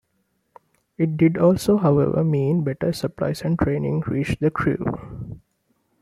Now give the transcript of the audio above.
It did also, however, mean better supplies and training reached the crew.